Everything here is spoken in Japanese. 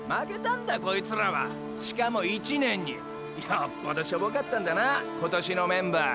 よっぽどしょぼかったんだな今年のメンバー。